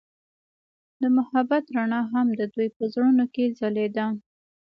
د محبت رڼا هم د دوی په زړونو کې ځلېده.